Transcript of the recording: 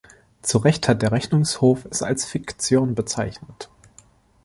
Zu Recht hat der Rechnungshof es als Fiktion bezeichnet.